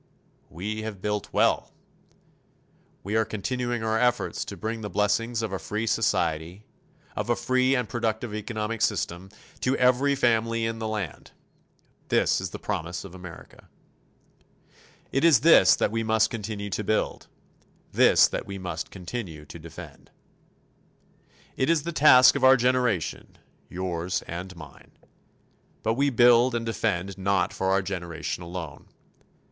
We have built well. We are continuing our efforts to bring the blessings of a free society, of a free and productive economic system, to every family in the land. This is the promise of America. It is this that we must continue to build this that we must continue to defend. It is the task of our generation, yours and mine. But we build and defend not for our generation alone.